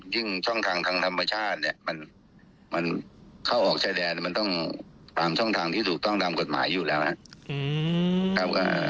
ช่องทางทางธรรมชาติเนี่ยมันเข้าออกชายแดนมันต้องตามช่องทางที่ถูกต้องตามกฎหมายอยู่แล้วนะครับ